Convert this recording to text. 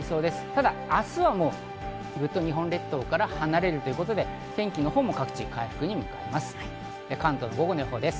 ただ明日はもうぐっと日本列島から離れるということで、天気のほうも各地回復に向かいます。